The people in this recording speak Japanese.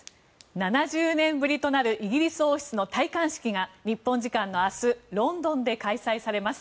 ７０年ぶりとなるイギリス王室の戴冠式が日本時間の明日ロンドンで開催されます。